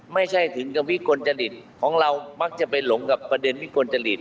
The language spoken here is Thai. ไม่ใช่ถึงกับวิกลจริตของเรามักจะไปหลงกับประเด็นวิกลจริต